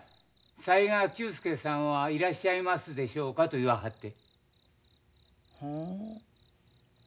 雑賀久助さんはいらっしゃいますでしょうかと言わはって。